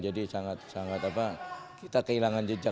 jadi sangat sangat kita kehilangan jejak